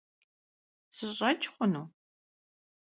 Sış'eç' xhunu?